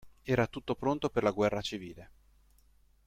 Era tutto pronto per la guerra civile.